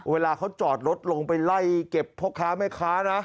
เวลาเขาจอดรถลงไปไล่เก็บพ่อค้าแม่ค้านะ